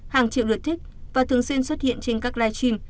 hàng triệu lượt thích và thường xuyên xuất hiện trên các live stream